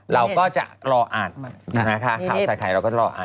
เราก็จะรออ่านนะคะข่าวใส่ไข่เราก็รออ่าน